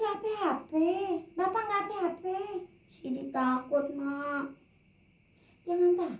sidik doain bapak ya biar siap tersembuh